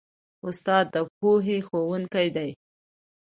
استاد د پوهې ښوونکی دی.